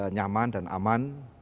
nyaman dan aman